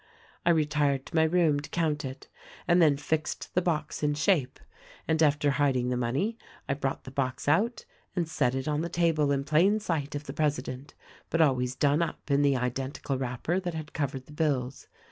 "I retired to my room to count it and then fixed the box in shape, and after hiding the money I brought the box out and set it on the table in plain sight of the president — but always done up in the identical wrapper that had covered the bills.